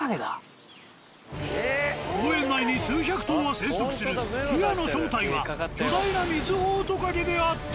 公園内に数百頭は生息するヒヤの正体は巨大なミズオオトカゲであった。